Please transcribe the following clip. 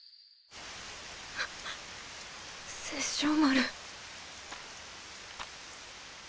殺生丸。